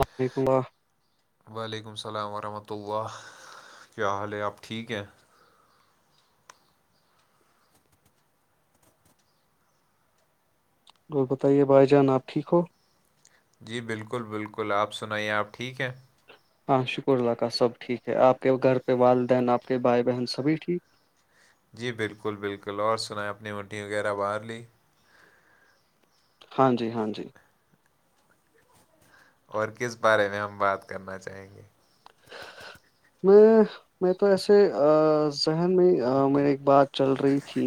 اللیکم اللہ وعلیکم السلام ورحمۃ اللہ کیا حال ہے آپ ٹھیک ہیں گ بتائیے بھائی جان آپ ٹھیک ہو جی بالکل بالکل آپ سنائیے آپ ٹھیک ہیں ہاں شکر اللہ کا سب ٹھیک ہے آپ کے گھر پ والدین آپ کے بھائی بہن سبھی ٹھیک جی بالکل بالکل اور سنیں اپنی منٹی وغیرہ باہر لی ہاں جی ہاں جی اور کس بارے میں ہم بات کرنا چاہیں گے [inaudible] میں تو ایسے ذہن میں مے ایک بات چل رہی تھی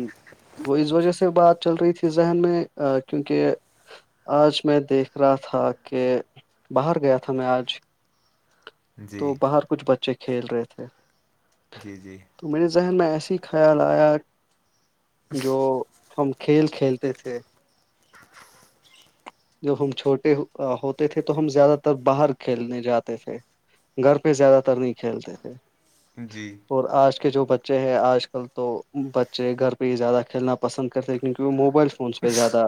وہ اس وجہ سے بات چل رہی تھی ذہن میں کیونکہ آج میں دیکھ رہا تھا کہ باہر گیا تھا میں آج تو جی باہر کچھ بچے کھیل رہے تھے جی جی تو میرے ذہن میں ایسی ہی خیال آیا جو ہم کھیل کھیلتے تھے [inaudible] جب ہم چھوٹے ہوتے تھے تو ہم زیادہ تر باہر کھیلنے جاتے تھے گھر پہ زیادہ تر نہیں کھیلتے تھے جی اور آج کے جو بچے ہیں آج کل تو بچے گھر پہ ہی زیادہ کھیلنا پسند کرتے کیونکہ وہ موبائل فونس پہ زیادہ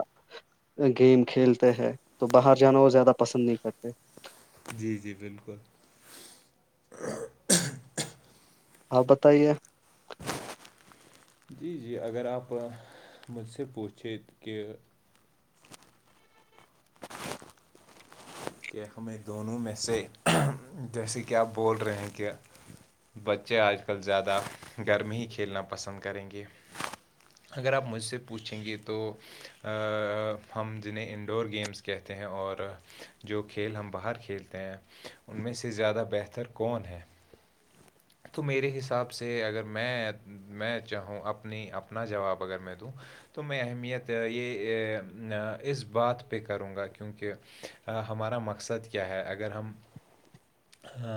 گیم کھیلتے ہیں تو باہر جانا وہ زیادہ پسند نہیں کرتے جی جی بالکل آپ بتائیے جی جی اگر آپ مجھ سے پوچھے کہ کہ ہمیں دونوں میں سے جیسے کہ آپ بول رہے ہیں کہ بچے آج کل زیادہ گھر میں ہی کھیلنا پسند کریں گے اگر آپ مجھ سے پوچھیں گے تو ہم جنہیں انڈور گیمس کہتے ہیں اور جو کھیل ہم باہر کھیلتے ہیں ان میں سے زیادہ بہتر کون ہے تو میرے حساب سے اگر میں میں چاہوں اپنی اپنا جواب اگر میں دوں تو میں اہمیت یہ اس بات پہ کروں گا کیونکہ ہمارا مقصد کیا ہے اگر ہم ہ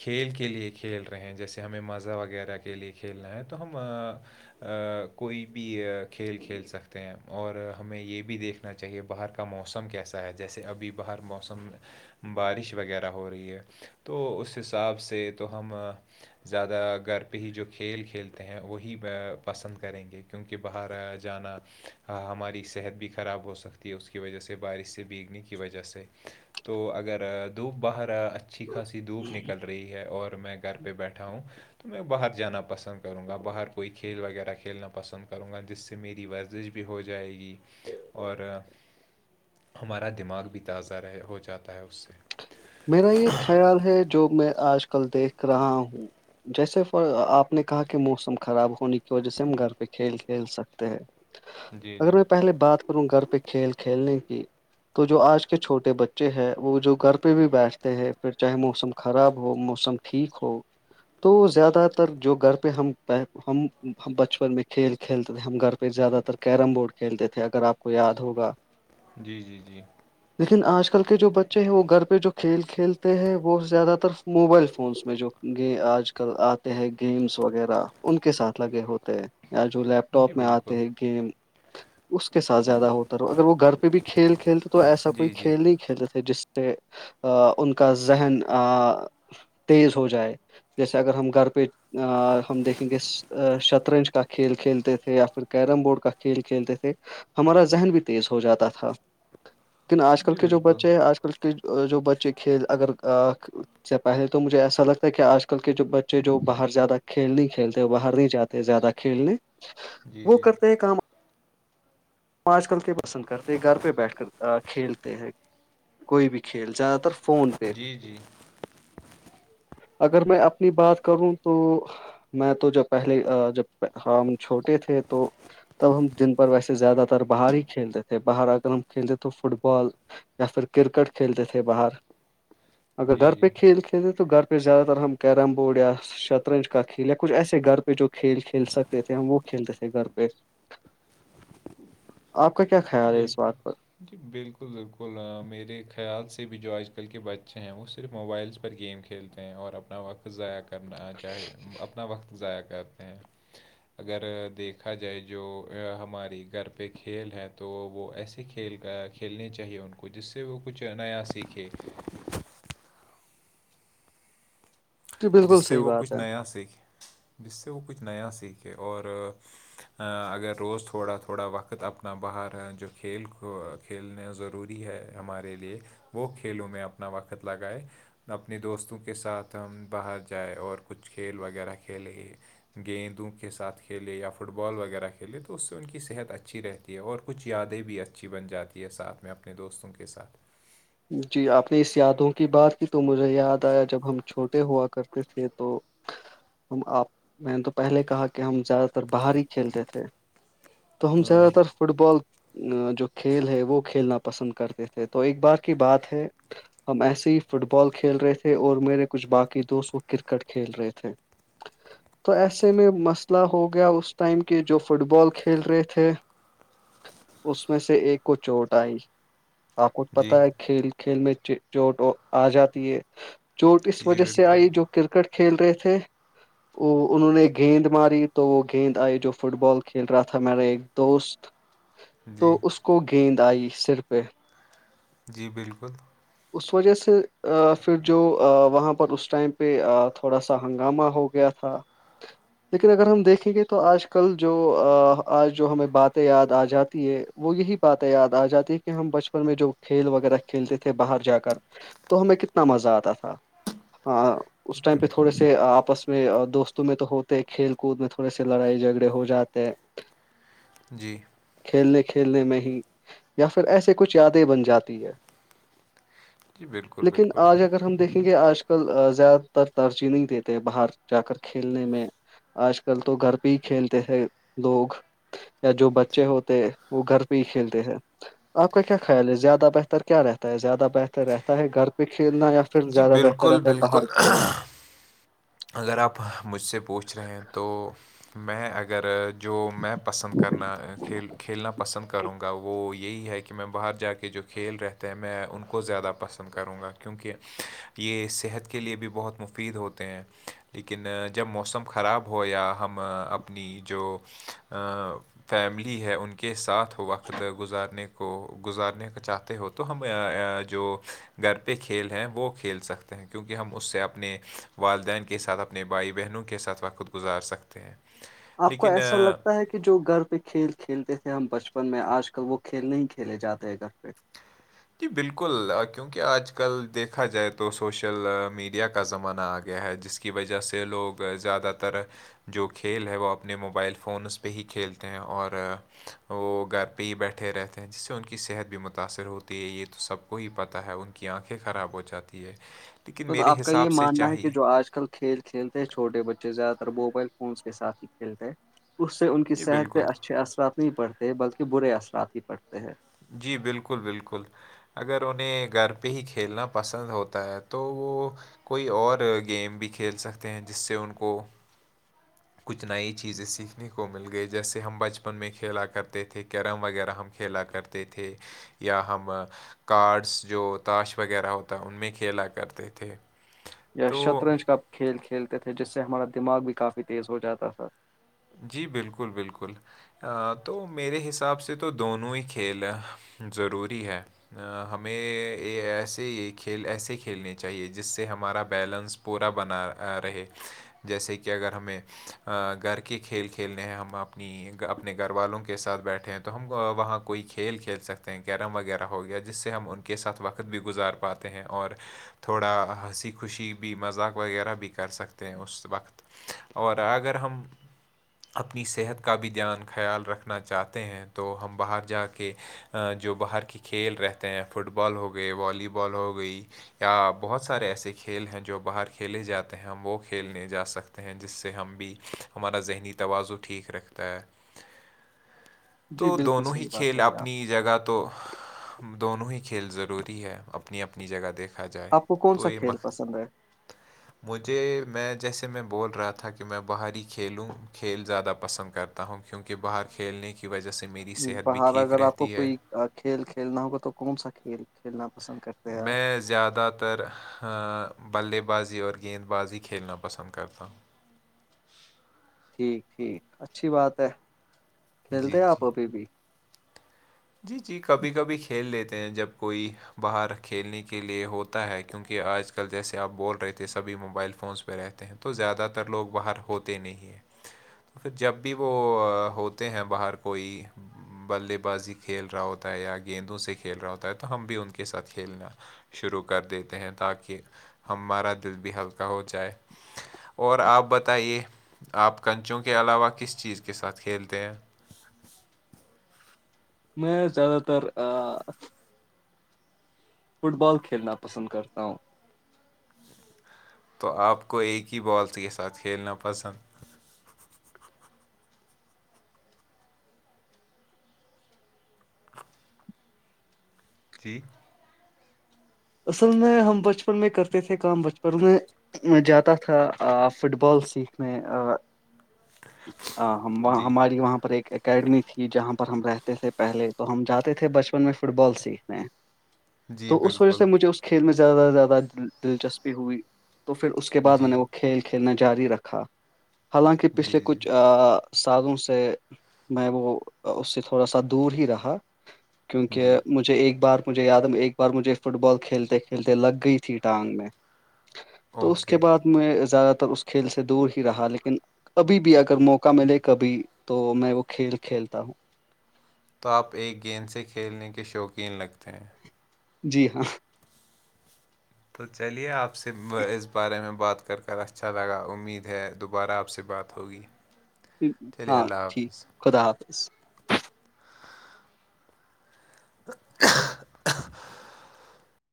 کھیل کے لیے کھیل رہے ہیں جیسے ہمیں مزہ وغیرہ کے لیے کھیلنا ہے تو ہم کوئی بھی کھیل کھیل سکتے ہیں اور ہمیں یہ بھی دیکھ رنا چاہیے باہر کا موسم کیسا ہے جیسے ابھی باہر موسم بارش وغیرہ ہو رہی ہے تو اس حساب سے تو ہم زیادہ گھر پہ ہی جو کھیل کھیلتے ہیں وہی پسند کریں گے کیونکہ باہر جانا ہماری صحت بھی خراب ہو سکتی ہے اس کی وجہ سے بارش سے بیگنے کی وجہ سے تو اگر دھوپ باہر اچھی خاصی دھوپ نکل رہی ہے اور میں گھر پہ بیٹھا ہوں تو میں باہر جانا پسند کروں گا باہر کوئی کھیل وغیرہ کھیلنا پسند کروں گا جس سے سے میری ورزش بھی ہو جائے گی اور ہمارا دماغ بھی تازہ رہ ہو جاتا ہے اس سے میرا یہ خیال ہے جو میں آج کل دیکھ رہا ہوں جیسے آپ نے کہا کہ موسم خراب ہونے کی وجہ سے ہم گھر پہ کھیل کھیل سکتے ہیں جی جی اگر میں پہلے بات گھر پہ کھیل کھیلنے کی تو جو آج کے چھوٹے بچے ہیں وہ جو گھر پہ بھی بیٹھتے ہیں پھر چاہے موسم خراب ہو موسم ٹھیک ہو تو زیادہ تر جو گھر پہ ہم ہم بچپن میں کھیل کھیلتے تھے ہم گھر پہ پھر زیادہ تر کیرم بورڈ کھیلتے تھے اگر آپ کو یاد ہوگا جی جی جی لیکن آج کل کے جو بچے ہیں وہ گھر پہ جو کھیل کھیلتے ہیں وہ زیادہ تر موبائل فونس میں جو آج آتے ہیں گیمس وغیرہ ان کے ساتھ لگے ہوتے ہیں یا جو لیب لیپ جی ٹاپ میں بالکل آتے ہیں گیم اس کے ساتھ زیادہ ہوتا رہ اگر وہ گھر پہ بھی کھیل کھیلتے تو ایسا کوئی جی جی کھیل نہیں کھیلتے تھے جس کہ ان کا ذہن تیز ہو جائے جیسے اگر ہم گھر پہ ہم دیکھیں گے شترہج کافی کھیل کھیلتے تھے یا پھر کیرم بورڈ کا کھیل کھیلتے تھے ہمارا ذہن بھی تیز ہو جاتا تھا لیکن آج کل جی کے جو بالکل بچے ہیں آج کل کے جو بچے کھیل اگر سے پہلے تو مجھے ایسا لگتا ہے کہ آج کل کے جو بچے جو باہر جیادہ کھیل نہیں کھیلتے باہر نہیں جاتے زیادہ کھیلنے جی وہ جی کرتے ہیں کام آج کل کیا پسند کرتے گھر پہ بیٹھ کر کھیلتے ہیں کوئی بھی کھیل زیادہ تر فون پہ جی جی اگر میں اپنی بات کروں تو میں تو جب پہلے جب ہم چھوٹے تھے تو تب ہم جن پر ویسے زیادہ باہر ہی کھیلتے تھے باہر اگر ہم کھیلتے تو فٹ بال یا پھر کرکٹ کھیلتے تھے باہر اگر جی گھر جی پہ کھیلتے تھے تو گھر پہ اس پھر زیاد تر ہم کیرم بورڈیا شطرنج کا کھیل یا کچھ ایسے گھر پہ جو کھیل کھیل سکتے تھے ہم وہ کھیلتے تھے گھر پہ آپ کا کیا خیال ہے اس بالکل بات پر جی بالکل بالکل میرے خیال سے بھی جو آج کل کے بچے ہیں وہ صرف موبائلس پر گیم کھیل کھیلتے ہیں اور اپنا وقت ضائع کرنا چاہے اپنا وقت ضائع کرتے ہیں اگر دیکھا جائے جو ہماری گھر پہ کھیل ہے تو وہ ایسے کھیل کا کھیلنے چاہیے ان کو جس سے وہ کچھ نیا سیکھے جی جس بالکل سے صحیح وہ بات کچھ ہے نیا سیکھے جس سے وہ کچھ نیا سیکھے اور اگر روز تھوڑا تھوڑا وقت اپنا باہر جو کھیل کو کھیلنا ضروری ہے ہمارے لیے وہ کھیلوں میں اپنا وقت لگائے اپنے دوستوں کے ساتھ ہم باہر جائیں اور کچھ کھیل وغیرہ کھیلیں گیند دوں کے ساتھ کھیلے یا فٹ بال وغیرہ کھیلے تو اس سے ان کی صحت اچھی رہتی تی ہے اور کچھ یادیں بھی اچھی بن جاتی ہے ساتھ میں اپنے دوستوں کے ساتھ جی آپ نے اس یادوں کی بات کی تو مجھے یاد آیا جب ہم چھوٹے ہوا کرتے تھے تو بچف ہم آپ میں نے تو پہلے کہا کہ ہم زیادہ تر باہر ہی کھیلتے تھے تو ہم زیادہ تر فٹ بال جو کھیل ہے وہ کھیلنا پسند کرتے تھے تو ایک بار کی بات ہے ہم ایسے ہی فٹ بال کھیل رہے تھے اور میرے کچھ باقی دوست وہ کرکٹ کھیل رہے تھے گب تو ایسے میں مسئلہ ہو گیا اس ٹائم کے جو فٹ بال کھیل رہے تھے [unintelligible] اس میں سے ایک کو چوٹ آئی آپ کو پت جی ہے کھیل کھیل میں چوٹ آ جاتی ہے چوٹ اس جی جی وجہ سے بالکل آئی جو کرکٹ کھیل رہے تھے وہ انہوں نے گیند ماری تو وہ گیند آئی جو فٹ بال کھیل رہا تھا میرا ایک دوست جی تو اس کو گیند آئی سر پہ جی بالکل اس وجہ سے پھر جو وہاں پر اس ٹائم پہ تھوڑا سا ہنگامہ ہو گیا ہاں لیکن اگر ہم دیکھیں گے تو آج کل جو آج جو ہمیں باتیں یاد آ جاتی ہے وہ یہی باتیں یاد آ جاتی ہے کہ ہم بچپن میں جو کھیل وغیرہ کھیلتے تھے باہر جا کر تو ہمیں کتنا مزہ آتا تھا ہاں جی اس ٹائم پہ بالکل تھوڑے سے سے آپس میں دوستوں میں تو ہوتے کھیل کود میں تھوڑے سے لڑائی جھگڑے ہو جاتے ہیں جی کھیلنے کھیلنے میں ہی یا پھر ایسے کچھ یادیں بن جاتی ہے جی بالکل لیکن بالکل آج اگر ہم دیکھیں گے آج کل زیادہ تر ترجیح نہیں دیتے باہر جا کر کھیلنے میں آج کل تو گھر پہ ہی کھیلتے ہیں لوگ یا جو بچے ہوتے وہ گھر پہ ہی کھیلتے ہیں آپ کا کیا خیال ہے زیادہ بہتر کیا رہتا ہے زیادہ بہتر رہتا ہے گھر پہ کھیلنا یا پھر جی زیادہ بہتر بالکل رہتا ہے بالکل باہر کھیلنا اگر آپ مجھ سے پوچھ رہے ہیں تو میں اگر جو میں پسند کرنا کھیل کھیلنا پسند کروں گا وہ یہی ہے کہ میں باہر جا کے جو کھیل رہتے ہیں میں ان کو زیادہ پسند کروں گا کیونکہ یہ صحت کے لیے بھی بہت مفید ہوتے ہیں لیکن جب موسم خراب ہو یا ہم اپنی جو فیملی ہے ان کے ساتھ وقت گزارنے کو گزارنے کا چاہتے ہو تو ہم جو گھر پہ کھیل ہیں وہ کھیل سکتے ہیں کیونکہ ہم اس سے اپنے والدین کے ساتھ اپنے بھائی بہنوں کے ساتھ وقت گزار سکتے ہیں آپ کو لیکن ایسا آ، لگتا ہے کہ جو گھر پہ کھیل کھیلتے تھے ہم بچپن میں آج کل وہ کھیل نہیں کھیلے جاتے ہیں گھر پہ جی بالکل کیونکہ آج کل دیکھا جائے تو سوشل میڈیا کا زمانہ آ گیا ہے جس کی وجہ سے لوگ زیادہ تر جو کھیل ہے وہ اپنے موبائل فونس پہ ہی کھیلتے ہیں اور وہ گھر پہ ہی بیٹھے رہتے ہیں جس سے ان کی صحت بھی متاثر ہوتی ہے یہ تو سب کو ہی پتاہ ہے ان کی آنکھیں خراب ہو جاتی ہے لیکن تو تو میرے آپ کا یہ حساب سے ماننا ہے کہ چاہیے جو آج کل کھیل کھیلتے ہیں چھوٹے بچے زیادہ تر موبائل فونس کے ساتھ ہی کھیلتے ہیں اس سے ان کی جی صحت بالکل پہ اچھے اثرات نہیں پڑتے بلکہ برے اثرات ہی پڑتے ہیں جی بالکل بالکل اگر انہیں گھر پہ ہی کھیلنا پسند ہوتا ہے تو وہ کوئی اور گیم بھی کھیل سکتے ہیں جس سے ان کو کچھ نئی چیزیں سیکھنے کو مل گئی جیسے ہم بچپن میں کھیلا کرتے تھے کیرم وغیرہ ہم کھیلا کرتے تھے یا ہم کارڈس جو تاش وغیرہ ہوتا ان میں کھیلا کرتے تھے یا تو شطرنج کا کھیل کھیلتے تھے جس سے ہمارا دماغ بھی کافی تیز ہو جاتا تھا جی بالکل بالکل تو میرے حساب سے تو دونوں ہی کھیل ضروری ہے ہمیں ایسے یہ کھیل ایسے کھیلنے چاہیے جس سے ہمارا بیلنس پورا بنا رہے جیسے کہ اگر ہمیں گھر [unintelligible] کے کھیل کھیلنے ہیں ہم اپنی اپنے گھر والوں کے ساتھ بیٹھے ہیں تو ہم وہاں کوئی کھیل کھیل سکتے ہیں کیرم وغیرہ ہو گیا جس سے ہم ان کے ساتھ وقت بھی گزار پاتے ہیں اور [unintelligible] تھوڑا ہنسی خوشی بھی مذاق وغیرہ بھی کر سکتے ہیں اس وقت اور اگر ہم [unintelligible] اپنی صحت کا بھی دھیان خیال رکھنا چاہتے ہیں تو ہم باہر جا کے [unintelligible] جو باہر کے کھیل رہتے ہیں فٹ بال ہو گئے والی بال ہو گئی یا بہت سارے ایسے کھیل ہیں جو باہر کھیلے جاتے ہیں ہم وہ کھیلنے جا سکتے جس سے ہم بھی ہمارا ذہنی تون ٹھ رکھتا ہے جی تو بالکل دونوں ہی صحیح بات کھیل ہے اپنی جگہ تو دونوں ہی کھیل ضروری ہے اپنی اپنی جگہ دیکھا جائے آپ آپ کو کون تو سا یہ کھیل مخت پسند ہے مجھے میں جیسے میں بول رہا تھا کہ میں باہر کھیلوں کھیل زیادہ پسند کرتا ہوں کیونکہ باہر کھیلنے کی وجہ سے میری صحت بھی باہر ٹھیک اگر آپ کو رہتی ہے کوئی کھیل کھیلنا ہوگا تو کون سا کھیل کھیلنا پسند کرتے ہیں آپ میں زیادہ تر ہ بلے بازی اور گیند بازی کھیلنا پسند کرتا ہوں ٹھیک ٹھیک اچھی بات ہے جی ملتے آپ جی ابھی بھی جی جی کبھی کبھی کھیل لیتے ہیں جب کوئی باہر کھیلنے کے لیے ہوتا ہے کیونکہ آج کل جیسے آپ بول رہے تھے سبھی موبائل فونس رہتے ہیں تو زیادہ تر لوگ باہر ہوتے نہیں ہیں تو پھر جب بھی وہ ہوتے ہیں باہر کوئی بلے بازی کو کھیل رہا ہوتا ہے یا گیندوں سے کھیل رہا ہوتا ہے تو ہم بھی ان کے ساتھ کھیلنا شروع کر دیتے ہیں تاکہ ہمارا دل بھی ہلکا ہو جائے اور آپ بتائیے آپ کنچوں کے علاوہ کس چیز کے ساتھ کھیلتے ہیں میں زیادہ تر فٹ بال کھیلنا پسند کرتا ہوں تو آپ کو ایک ہی بال کے ساتھ کھیلنا پسند تھری اصل میں ہم بچپن میں کرتے تھے کام بچپن میں میں جاتا تھا فٹ بال سیکھنے ہم جی ہماری وہاں پر ایک اکیڈمی تھی جہاں پر ہم رہتے تھے پہلے تو ہم جاتے تھے بچپن میں فٹ بال سیکھنے جی تو اس وجہ بالکل سے مجھے اس کھیل میں زیادہ سے زیادہ دلچسپی ہوئی تو پھر اس کے بعد میں جی نے وہ کھیل کھیلنا جاری رکھا حالانکہ پچھلے جی جی کچھ سادوں سے میں وہ اس سے تھوڑا سا دور ہی رہا جی کیونکہ مجھے ایک بار مجھے یاد ہے ایک بار مجھے فٹ بال کھیلتے کھیلتے لگ گئی تھی ٹانگ میں تو اس اوکے کے بعد میں زیادہ تر اس کھیل سے دور ہی رہا لیکن کبھی بھی اگر موقع ملے کبھی تو میں وہ کھیل کھیلتا ہوں تو آپ ایک گیند سے کھیلنے کے شوقین لگتے ہیں جی ہاں تو چلیے آپ سے اس بارے میں بات کر کر اچھا لگا امید ہے دوبارہ آپ سے بات ہوگی [inaudible] چلیے ہاں اللہ ٹھیک حافظ خدا حافظ